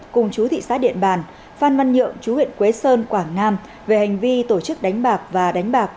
cùng chú thị xã điện bàn phan văn nhượng chú huyện quế sơn quảng nam về hành vi tổ chức đánh bạc và đánh bạc